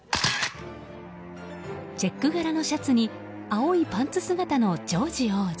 チェック柄のシャツに青いパンツ姿のジョージ王子。